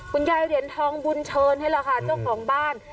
คุณยายเด็นทองบุญเชิญให้เราค่ะเจ้าของบ้าน